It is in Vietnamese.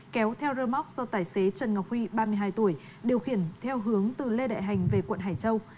kéo theo rơ móc do tài xế trần ngọc huy ba mươi hai tuổi điều khiển theo hướng từ lê đại hành về quận hải châu